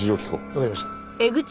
わかりました。